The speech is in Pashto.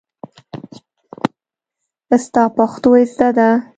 ستا پښتو زده ده.